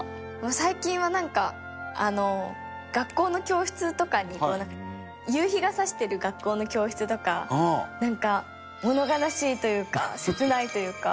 最近はなんかあの学校の教室とかに夕日が差してる学校の教室とかなんかもの悲しいというか切ないというか。